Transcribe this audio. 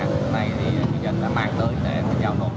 cái này thì người dân đã mang tới để giao nộp